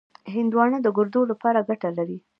هندوانه د ګردو لپاره ګټه لري.